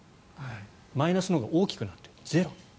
マイナスのほうが大きくなってゼロ。